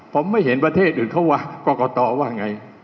ผมไม่เห็นประเทศอื่นเขาว่ากรกตว่าไง